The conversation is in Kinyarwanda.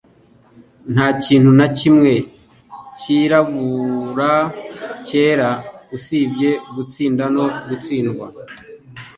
Nta kintu na kimwe cyirabura-cyera, usibye gutsinda no gutsindwa,